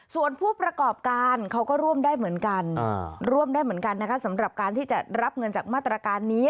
ส่วนผู้ประกอบการเขาก็ร่วมได้เหมือนกันสำหรับการที่จะรับเงินจากมาตรการนี้